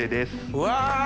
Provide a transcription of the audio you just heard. うわ！